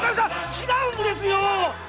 違うんですよ！